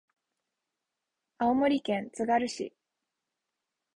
青森県つがる市